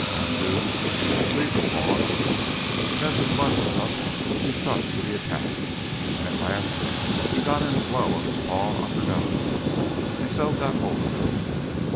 Andoo had to leave the fawn, but as her blood was up she stuck to the attack, and at last he got in a blow of his paw on her nose, and so got hold of her.